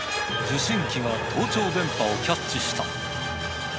受信機が盗聴電波をキャッチした。